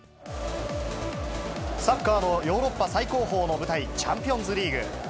サッカーのヨーロッパ最高峰の舞台、チャンピオンズリーグ。